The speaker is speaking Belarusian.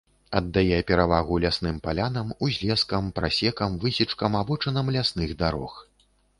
Аддае перавагу лясным палянам, узлескам, прасекам, высечкам, абочынам лясных дарог.